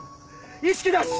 意識なし！